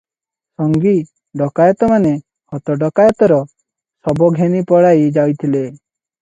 ସଙ୍ଗୀ ଡକାଏତମାନେ ହତ ଡକାଏତର ଶବ ଘେନି ପଳାଇ ଯାଇଥିଲେ ।